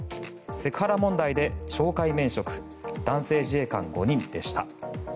セクハラ問題で懲戒免職男性自衛官５人でした。